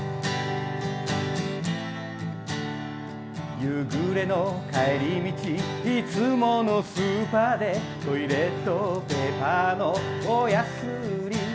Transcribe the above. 夕暮れの帰り道いつものスーパーでトイレットペーパーの大安売り。